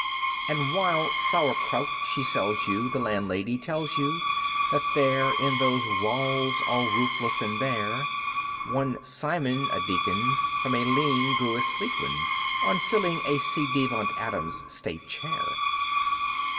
And while "sauer kraut" she sells you, the landlady tells you That there, in those walls all roofless and bare, One Simon, a Deacon, from a lean grew a sleek one On filling a ci devant Abbot's state chair.